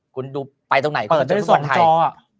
คุณดูไปตรงไหนคุณจะได้ทุกคนไทยเปิดได้๒จออ่ะ